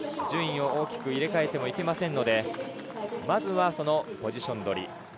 順位を大きく入れ替えてはいけませんので、まずはポジション取り。